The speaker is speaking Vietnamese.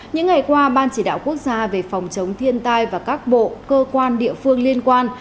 những ngày qua ban chỉ đạo quốc gia về phòng chống thiên tai và các bộ cơ quan địa phương liên quan